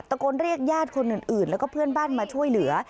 โกนเรียกญาติคนอื่นแล้วก็เพื่อนบ้านมาช่วยเหลือ